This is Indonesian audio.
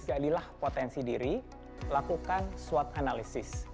jadilah potensi diri lakukan swot analisis